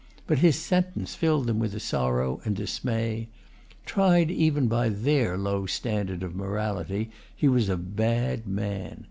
But his sentence filled them with sorrow and dismay. Tried even by their low standard of morality, he was a bad man.